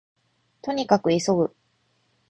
兎に角急ぐ